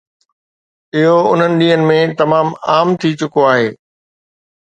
اهو انهن ڏينهن ۾ تمام عام ٿي چڪو آهي